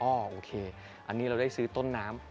โอเคอันนี้เราได้ซื้อต้นน้ำ